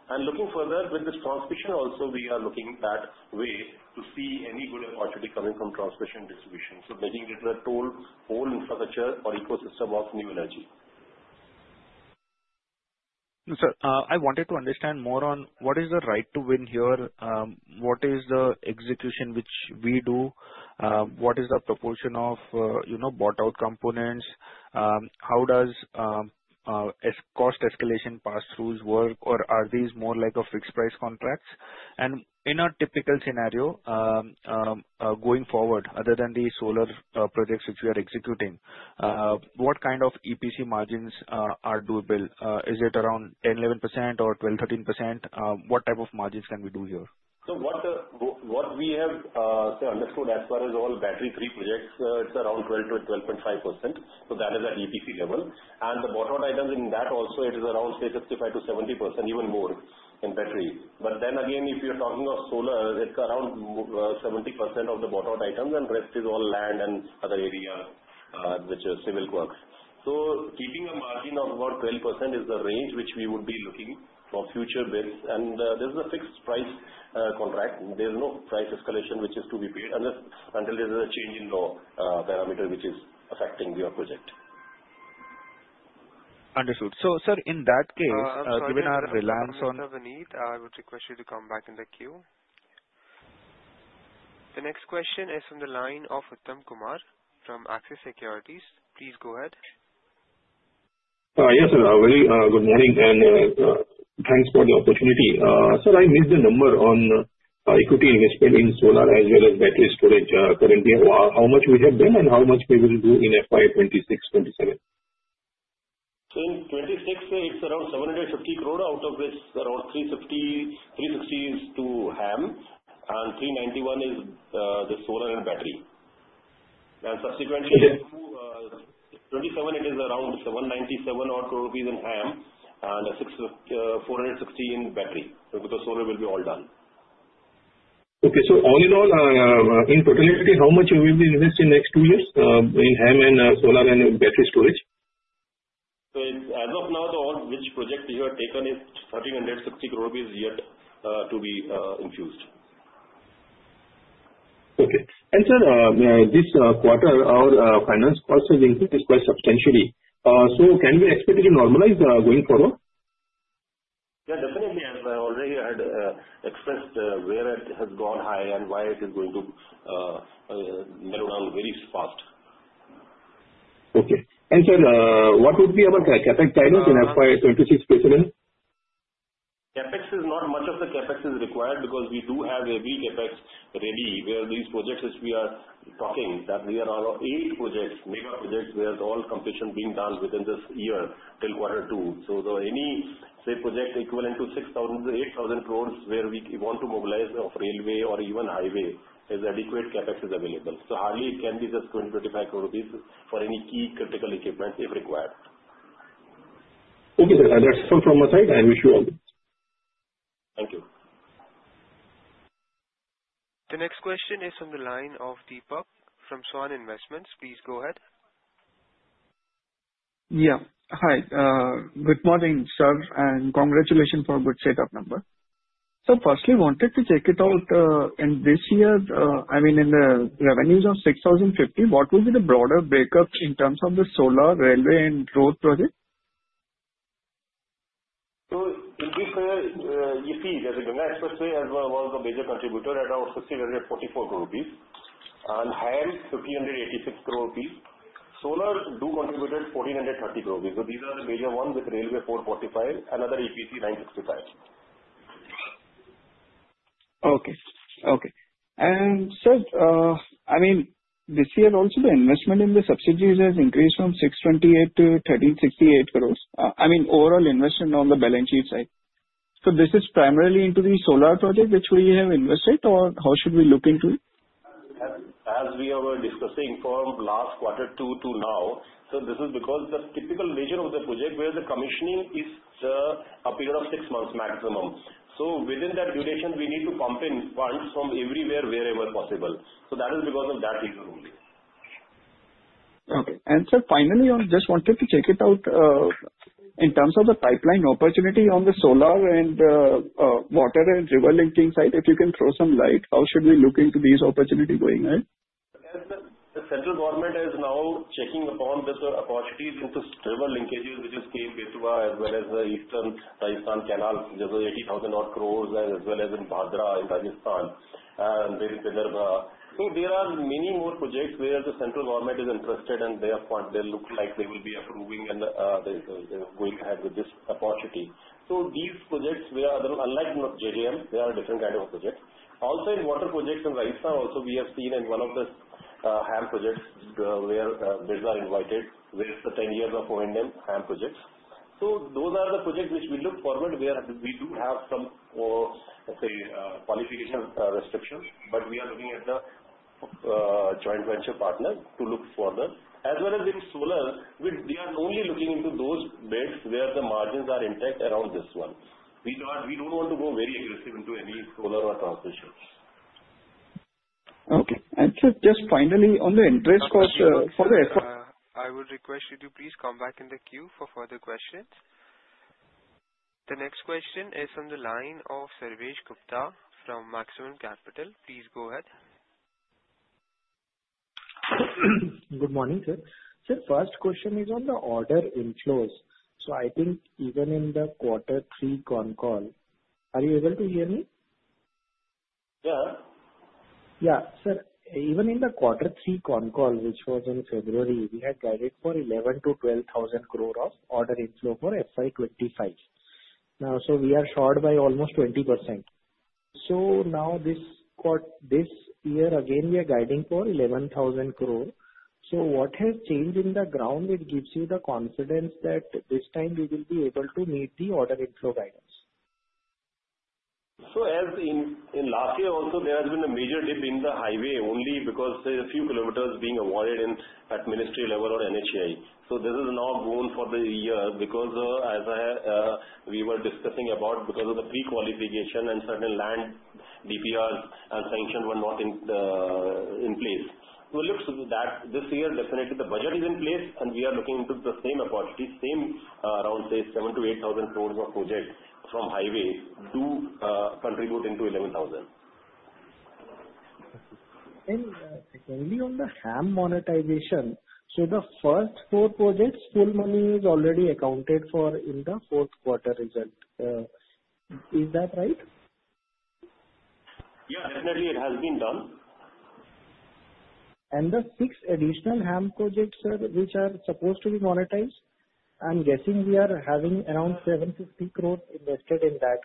and looking further with this transmission also, we are looking that way to see any good opportunity coming from transmission distribution, so making it a whole infrastructure or ecosystem of new energy. Sir, I wanted to understand more on what is the right to win here, what is the execution which we do, what is the proportion of bought-out components, how does cost escalation pass-throughs work, or are these more like fixed-price contracts, and in a typical scenario going forward, other than the solar projects which we are executing, what kind of EPC margins are doable? Is it around 10%, 11%, or 12%, 13%? What type of margins can we do here. So what we have understood as far as all battery-free projects, it's around 12%-12.5%. So that is at EPC level. The bought-out items in that also, it is around, say, 65%-70%, even more in battery. But then again, if you're talking of solar, it's around 70% of the bought-out items, and the rest is all land and other areas which are civil works. Keeping a margin of about 12% is the range which we would be looking for future bids. This is a fixed-price contract. There is no price escalation which is to be paid until there is a change in law parameter which is affecting your project. Understood. Sir, in that case, given our reliance on. Vineet, I would request you to come back in the queue. The next question is from the line of Uttam Kumar from AXIS Securities. Please go ahead. Yes, sir. Very good morning, and thanks for the opportunity. Sir, I missed the number on equity investment in solar as well as battery storage currently. How much will have been and how much may we do in FY 2026,2027? So in 26, it's around 750 crore out of this around 360 to HAM, and 391 is the solar and battery. And subsequently, 2027, it is around 197 crore rupees in HAM and 460 in battery because solar will be all done. Okay. So all in all, in totality, how much will we invest in next two years in HAM and solar and battery storage? So as of now, the all rich project we have taken is 1,360 crores rupees yet to be infused. Okay. And sir, this quarter, our finance cost has increased quite substantially. So can we expect it to normalize going forward? Yeah, definitely. As I already had expressed where it has gone high and why it is going to mellow down very fast. Okay. And sir, what would be our CapEx guidance in FY 2026, 2027? CapEx is not much of the CapEx is required because we do have every CapEx ready where these projects which we are talking, that we are on eight projects, mega projects where all completion being done within this year till quarter two. So any project equivalent to 8,000 crores where we want to mobilize of railway or even highway is adequate CapEx is available. So hardly it can be just 255 crores rupees for any key critical equipment if required. Okay, sir. That's all from my side. I wish you all the best. Thank you. The next question is from the line of Deepak from Svan Investments. Please go ahead. Yeah. Hi. Good morning, sir, and congratulations for a good set of numbers. So firstly, wanted to check it out. And this year, I mean, in the revenues of 6,050, what would be the broader breakup in terms of the solar, railway, and road project? So if you say EPC, as I explained as well, was the major contributor at around 6,044 crores rupees and HAM 1,586 crores rupees. Solar also contributed 1,430 crores rupees. So these are the major ones with railway 445, another EPC 965. Okay. Okay. And sir, I mean, this year also the investment in the subsidiaries has increased from 628 to 1,368 crores. I mean, overall investment on the balance sheet side. So this is primarily into the solar project which we have invested, or how should we look into it? As we were discussing from last quarter two to now, so this is because the typical nature of the project where the commissioning is a period of six months maximum. So within that duration, we need to pump in funds from everywhere wherever possible. So that is because of that reason only. Okay. And sir, finally, I just wanted to check it out in terms of the pipeline opportunity on the solar and water and river linking side. If you can throw some light, how should we look into these opportunities going ahead? The central government is now checking upon this opportunity into river linkages which is K2 as well as the Eastern Rajasthan Canal, which is INR 80,000 crores as well as in Bhadra in Rajasthan and Vidarbha. So there are many more projects where the central government is interested, and they look like they will be approving and going ahead with this opportunity. So these projects where unlike JJM, they are a different kind of project. Also in water projects in Rajasthan, also we have seen in one of the HAM projects where bids are invited, which is the 10 years of O&M HAM projects. So those are the projects which we look forward where we do have some, let's say, qualification restrictions, but we are looking at the joint venture partner to look further. As well as in solar, we are only looking into those bids where the margins are intact around this one. We don't want to go very aggressive into any solar or transmission. Okay. And sir, just finally, on the interest cost for the. I would request you to please come back in the queue for further questions. The next question is from the line of Sarvesh Gupta from Maximal Capital. Please go ahead. Good morning, sir. Sir, first question is on the order inflows. So I think even in the quarter three concall, are you able to hear me? Yeah. Yeah. Sir, even in the quarter three concall, which was in February, we had guided for 11,000 crore-12,000 crore of order inflow for FY 2025. Now, so we are short by almost 20%. So now this year, again, we are guiding for 11,000 crore. So what has changed on the ground that gives you the confidence that this time we will be able to meet the order inflow guidance? So as in last year, also there has been a major dip in the highway only because a few kilometers being awarded at ministry level or NHAI. So this is now gone for the year because as we were discussing about because of the pre-qualification and certain land DPRs and sanctions were not in place. So look, this year definitely the budget is in place, and we are looking into the same opportunity, same around, say, 7,000 crore-8,000 crores of project from highway to contribute into 11,000. And secondly, on the HAM monetization, so the first four projects, full money is already accounted for in the fourth quarter result. Is that right? Yeah, definitely. It has been done. And the six additional HAM projects, sir, which are supposed to be monetized, I'm guessing we are having around 750 crores invested in that.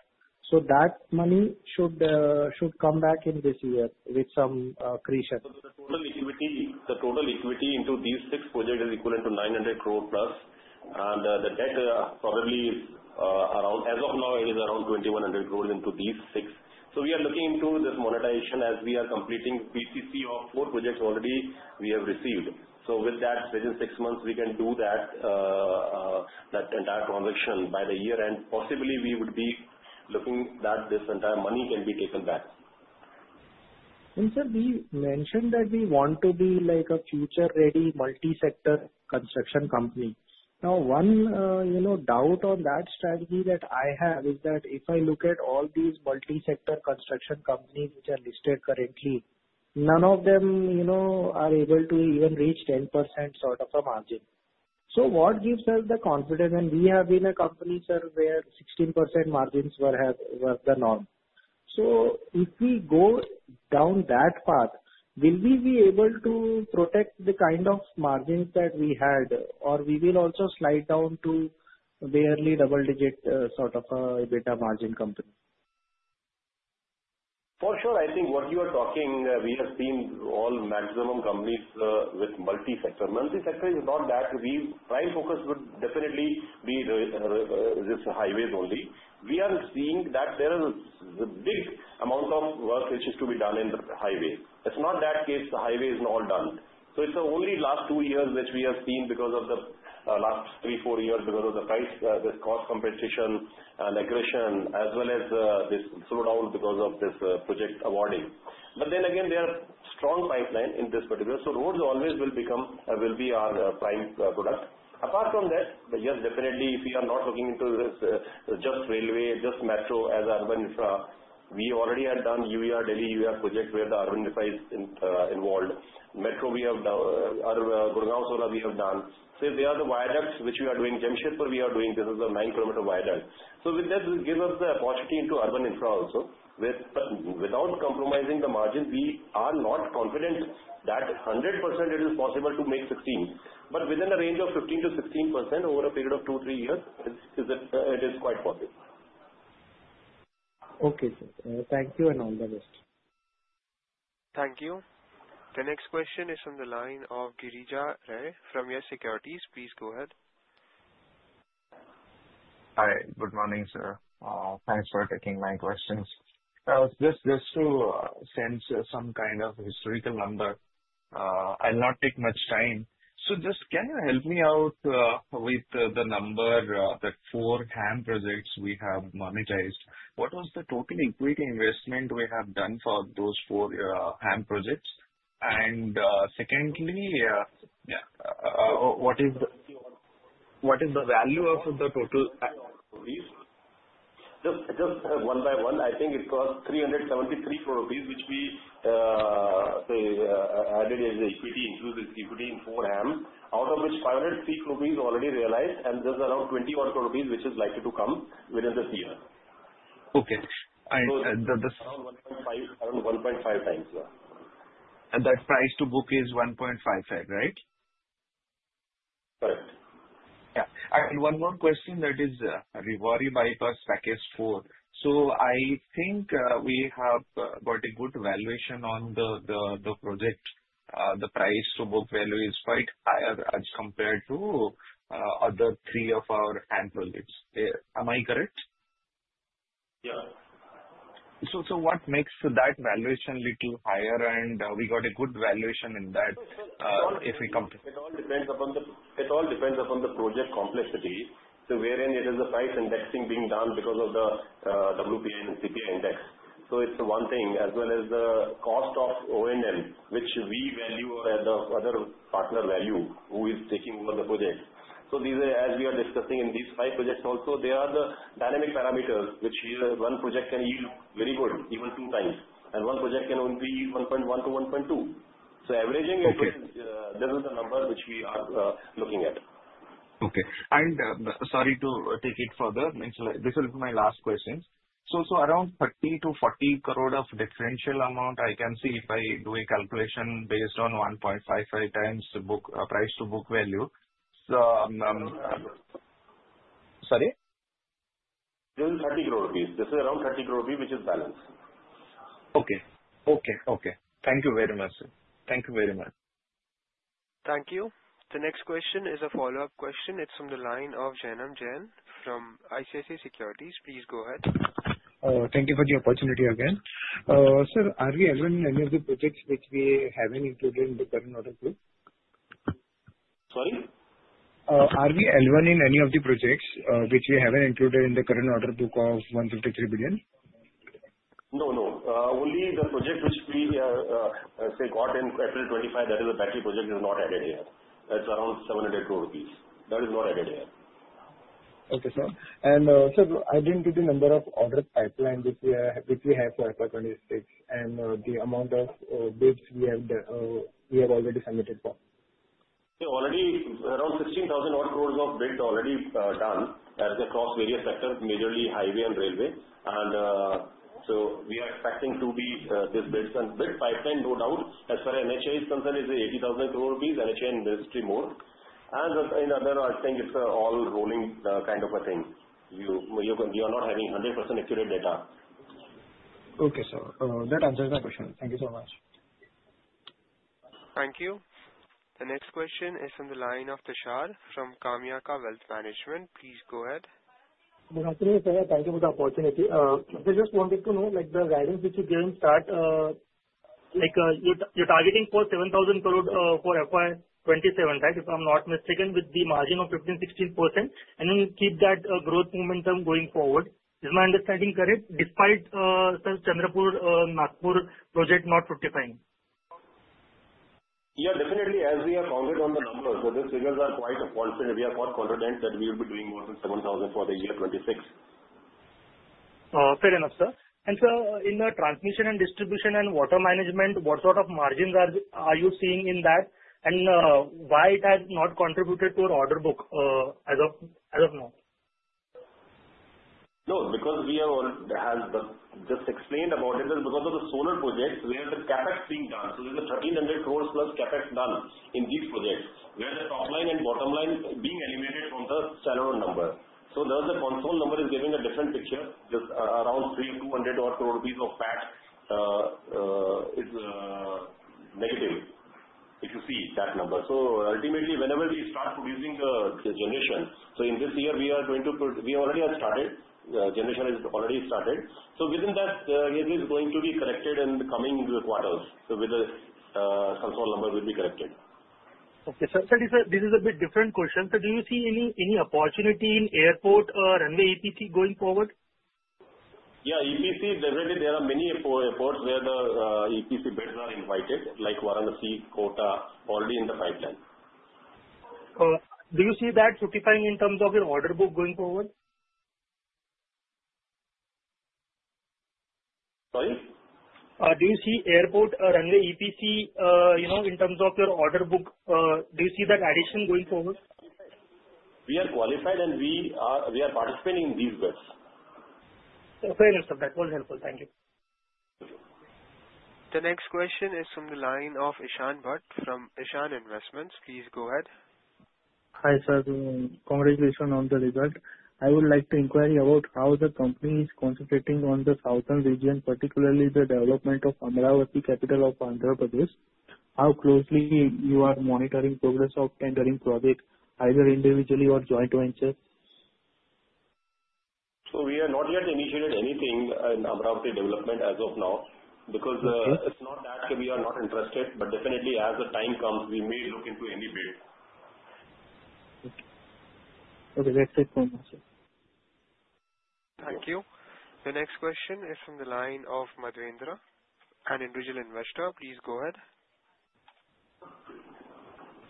That money should come back in this year with some accretion. The total equity into these six projects is equivalent to 900 crores plus, and the debt probably is around, as of now, it is around 2,100 crores into these six. We are looking into this monetization as we are completing PCC of four projects already we have received. With that, within six months, we can do that entire transaction by the year end. Possibly, we would be looking that this entire money can be taken back. And sir, we mentioned that we want to be like a future-ready multi-sector construction company. Now, one doubt on that strategy that I have is that if I look at all these multi-sector construction companies which are listed currently, none of them are able to even reach 10% sort of a margin. So what gives us the confidence? We have been a company, sir, where 16% margins were the norm. So if we go down that path, will we be able to protect the kind of margins that we had, or we will also slide down to barely double-digit sort of EBITDA margin company? For sure. I think what you are talking, we have seen all maximum companies with multi-sector. Multi-sector is not that we try and focus would definitely be this highways only. We are seeing that there is a big amount of work which is to be done in the highway. It's not that case. The highway is not done. So it's only last two years which we have seen because of the last three, four years because of the price, this cost competition and aggression, as well as this slowdown because of this project awarding. But then again, there are strong pipelines in this particular. So roads always will become, will be our prime product. Apart from that, yes, definitely, if we are not looking into just railway, just metro as urban infra, we already had done UER, Delhi UER project where the urban infra is involved. Metro, we have done Gurgaon Solar, we have done. So if there are the viaducts which we are doing, Jamshedpur we are doing, this is a nine-kilometer viaduct. So with that, it gives us the opportunity into urban infra also. Without compromising the margin, we are not confident that 100% it is possible to make 16%. But within a range of 15%-16% over a period of two, three years, it is quite possible. Okay, sir. Thank you and all the best. Thank you. The next question is from the line of Girija Ray from YES SECURITIES. Please go ahead. Hi. Good morning, sir. Thanks for taking my questions. I just want to get some kind of historical number. I'll not take much time. So just can you help me out with the number that four HAM projects we have monetized? What was the total equity investment we have done for those four HAM projects? And secondly, what is the value of the total? Just one by one, I think it cost 373 crores rupees which we added as equity into this equity in four HAMs, out of which 506 crores rupees already realized, and this is around 21 crores rupees which is likely to come within this year. Okay. And then around 1.5x, yeah. And that price to book is 1.55x, right? Correct. Yeah. And one more question that is regarding package four. So I think we have got a good valuation on the project. The price to book value is quite higher as compared to other three of our HAM projects. Am I correct? Yeah. So what makes that valuation a little higher? And we got a good valuation in that if we compare. It all depends upon the project complexity, to wherein it is the price indexing being done because of the WPI and CPI index. So it's one thing, as well as the cost of O&M, which we value or other partner value who is taking over the project. So as we are discussing in these five projects also, there are the dynamic parameters which one project can yield very good, even two times, and one project can only yield 1.1x-1.2x. So averaging it, this is the number which we are looking at. Okay. And sorry to take it further. This will be my last question. So around 30 crore-40 crore of differential amount, I can see if I do a calculation based on 1.55 times price to book value. Sorry? This is 30 crores rupees. This is around 30 crores rupees which is balance.] Okay. Okay. Okay. Thank you very much, sir. Thank you very much. Thank you. The next question is a follow-up question. It's from the line of Jainam Jain from ICICI Securities. Please go ahead. Thank you for the opportunity again. Sir, are we eligible in any of the projects which we haven't included in the current order book? Sorry? Are we eligible inany of the projects which we haven't included in the current order book of INR 153 billion? No, no. Only the project which we got in April 2025, that is a battery project, is not added here. That's around 702 crores rupees. That is not added here. Okay, sir. Sir, estimated number of order pipeline which we have for FY 2026 and the amount of bids we have already submitted for? Already around 16,000 crores of bid already done across various sectors, majorly highway and railway. So we are expecting to be these bids. Bid pipeline, no doubt, as far as NHAI is concerned, is 80,000 crores rupees, NHAI and ministry more. In other words, I think it's all rolling kind of a thing. You are not having 100% accurate data. Okay, sir. That answers my question. Thank you so much. Thank you. The next question is from the line of Tushar from KamayaKya Wealth Management. Please go ahead. Good afternoon, sir. Thank you for the opportunity. I just wanted to know the guidance which you gave at start. You're targeting for 7,000 crores for FY 2027, right? If I'm not mistaken, with the margin of 15%-16%, and then keep that growth momentum going forward. Is my understanding correct despite the Nagpur-Chandrapur project not fructifying? Yeah, definitely. As we have counted on the numbers, so these figures are quite confident. We are quite confident that we will be doing more than 7,000 crores for the year 26. Fair enough, sir. And sir, in the transmission and distribution and water management, what sort of margins are you seeing in that? And why it has not contributed to your order book as of now? No, because we have just explained about it is because of the solar projects where the CapEx being done. So there's a 1,300 crores plus CapEx done in these projects where the top line and bottom line being eliminated from the standalone number. So the consolidated number is giving a different picture. Just around 300 crores of PAT is negative if you see that number. So ultimately, whenever we start producing the generation, so in this year, we are going to we already have started. Generation has already started. So within that, it is going to be corrected in the coming quarters. So with the consolidated number, we'll be corrected. Okay. Sir, this is a bit different question. So do you see any opportunity in airport runway EPC going forward? Yeah, EPC, definitely. There are many airports where the EPC bids are invited, like Varanasi, Kota, already in the pipeline. Do you see that fructifying in terms of your order book going forward? Sorry? Do you see airport runway EPC in terms of your order book? Do you see that addition going forward? We are qualified, and we are participating in these bids. Fair enough, sir. That was helpful. Thank you. The next question is from the line of Ishan Bhatt from Ishan Investments. Please go ahead. Hi sir. Congratulations on the result. I would like to inquire about how the company is concentrating on the southern region, particularly the development of Amaravati Capital of Andhra Pradesh. How closely you are monitoring progress of tendering project, either individually or joint ventures? So we have not yet initiated anything in Amaravati development as of now because it's not that we are not interested, but definitely, as the time comes, we may look into any bid. Okay. That's it for now, sir. Thank you. The next question is from the line of Madvendra, an individual investor. Please go ahead.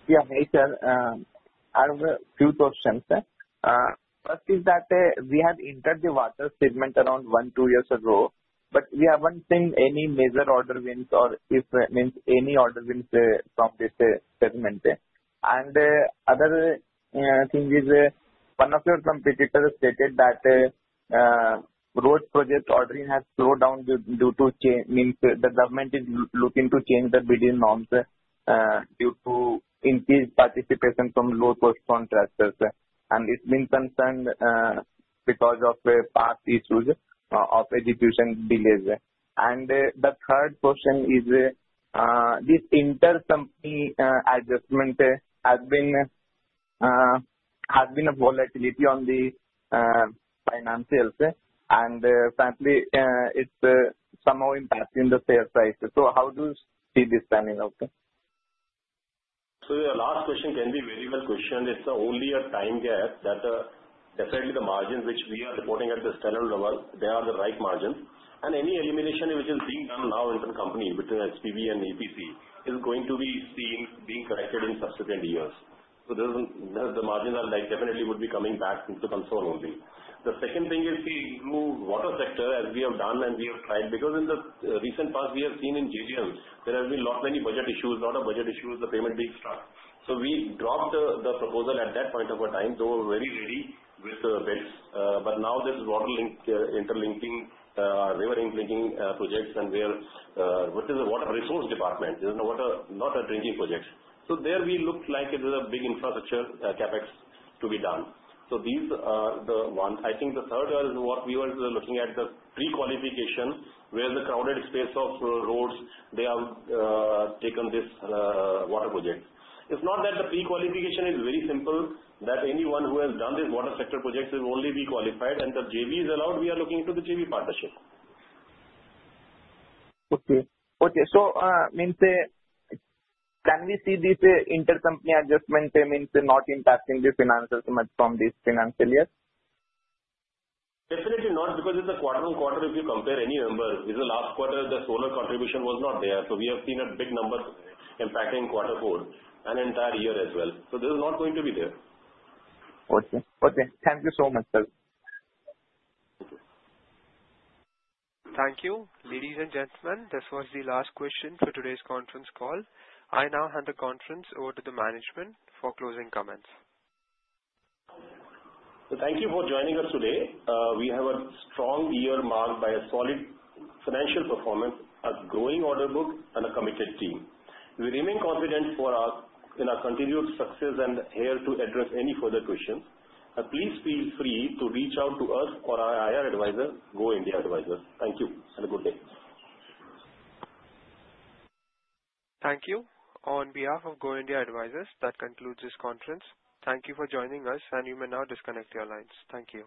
Yeah. Hi sir. I have a few questions, sir. First is that we have entered the water segment around one, two years ago, but we haven't seen any major order wins or if that means any order wins from this segment. And other thing is one of your competitors stated that road project ordering has slowed down due to the government is looking to change the bidding norms due to increased participation from low-cost contractors. And it's been concerned because of past issues of execution delays. And the third question is this intercompany adjustment has been a volatility on the financials. And frankly, it's somehow impacting the share price. So how do you see this standing out? So the last question can be a very well questioned. It's only a time gap that definitely the margins which we are reporting at the stellar level, they are the right margins. Any elimination which is being done now with the company between SPV and EPC is going to be seen being corrected in subsequent years. So the margins are definitely would be coming back into consolidated only. The second thing is the water sector, as we have done and we have tried, because in the recent past, we have seen in JGM, there have been many budget issues, a lot of budget issues, the payment being stuck. So we dropped the proposal at that point in time, though very ready with bids. But now there's water linking, interlinking, river linking projects, and which is a water resource department. It's not a drinking project. So there it looks like it is a big infrastructure CapEx to be done. So these are the one. I think the third is what we were looking at, the pre-qualification where the crowded space of roads, they have taken this water project. It's not that the pre-qualification is very simple, that anyone who has done this water sector project will only be qualified. And the JV is allowed. We are looking into the JV partnership. Okay. Okay. So can we see this intercompany adjustment means not impacting the financials much from this financial year? Definitely not because it's a quarter on quarter. If you compare any number, it's the last quarter, the solar contribution was not there. So we have seen a big number impacting quarter four and entire year as well. So this is not going to be there. Okay. Okay. Thank you so much, sir. Thank you. Ladies and gentlemen, this was the last question for today's conference call. I now hand the conference over to the management for closing comments. So thank you for joining us today. We have a strong year marked by a solid financial performance, a growing order book, and a committed team. We remain confident in our continued success and here to address any further questions. Please feel free to reach out to us or our IR advisor, Go India Advisors. Thank you. Have a good day. Thank you. On behalf of Go India Advisors, that concludes this conference. Thank you for joining us, and you may now disconnect your lines. Thank you.